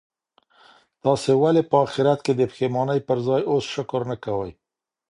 تاسي ولي په اخیرت کي د پښېمانۍ پر ځای اوس شکر نه کوئ؟